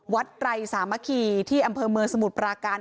วัดไร่สามะขี่ที่อำเภอเมอร์สมุทรปราการ